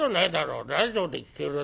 ラジオで聴けるだろ」。